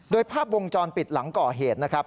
โดยภาพวงจรปิดหลังก่อเหตุนะครับ